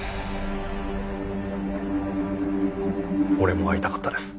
俺も会いたかったです。